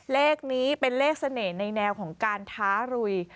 เลขนี้เป็นเลขเสน่ห์ในแนวของการท้ารุย